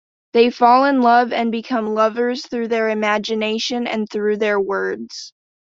They fall in love and become lovers through their imagination and through their words.